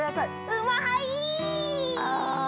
◆うまいー！